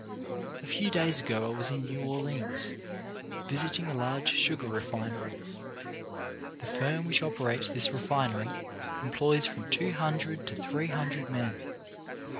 A few days ago I was in New Orleans, visiting a large sugar refinery. The firm which operates this refinery employs from two hundred to three hundred men.